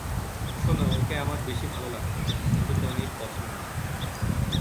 শোন, ওকে আমার বেশী ভালো লাগত না, কিন্তু টনির পছন্দ।